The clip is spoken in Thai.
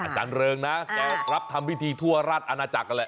อาจารย์เริงนะแกรับทำวิธีทั่วราชอาณาจักรกันแหละ